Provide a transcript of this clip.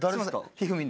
ひふみん！？